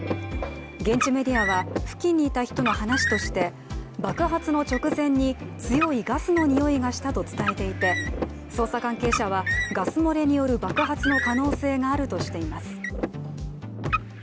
現地メディアは付近にいた人の話として爆発の直前に、強いガスのにおいがしたと伝えていて、捜査関係者は、ガス漏れによる爆発の可能性があるとしています。